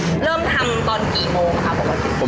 เริ่มทำตอนกี่โมงครับปกติ